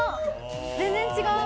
全然、違う！